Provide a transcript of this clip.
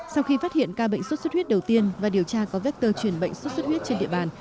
sau khi phát hiện ca bệnh sốt xuất huyết đầu tiên và điều tra có vector truyền bệnh sốt xuất huyết trên địa bàn